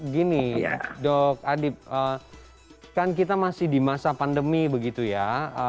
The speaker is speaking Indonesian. gini dok adip kan kita masih di masa pandemi begitu ya